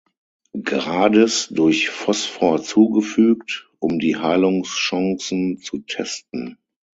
Grades durch Phosphor zugefügt, um die Heilungschancen zu testen.